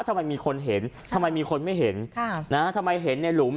ทำไมมีคนเห็นทำไมมีคนไม่เห็นค่ะนะฮะทำไมเห็นในหลุม